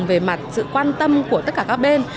về mặt sự quan tâm của tất cả các bên